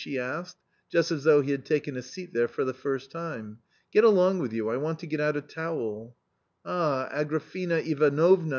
she asked, just as though he had taken a seat there for the first time. " Get along with you, I want to get out a towel." "Ah, Agrafena Ivanovna